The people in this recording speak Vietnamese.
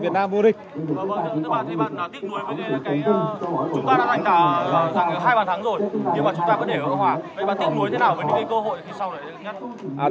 việt nam vua địch